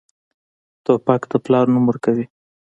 توپک د پلار نوم ورکوي.